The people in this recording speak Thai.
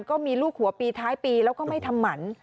ก็มีลูกหัวปีท้ายปีแล้วก็ไม่ทำหมัน